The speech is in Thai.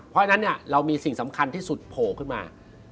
เพราะฉะนั้นเรามีสิ่งสำคัญที่สุดโผล่ขึ้นมา